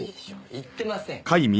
言ってません。